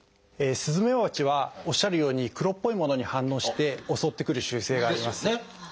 スズメバチはおっしゃるように黒っぽいものに反応して襲ってくる習性があります。ですよね。